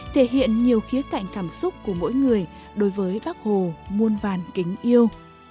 thể hiện nhiều khía cạnh cảm xúc của mỗi người đối với bác hồ muôn vàn kính yêu